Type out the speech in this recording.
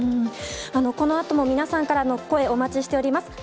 このあとも皆さんからの声、お待ちしております。